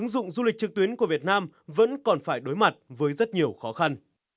dụng du lịch trực tuyến của việt nam vẫn còn phải đối mặt với rất nhiều khó khăn